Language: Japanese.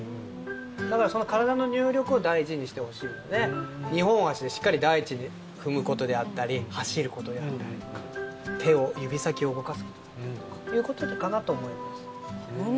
だから、その体の入力を大事にしてほしいので二本足でしっかり大地を踏むことであったり走ることであったり手を、指先を動かすということかなと思います。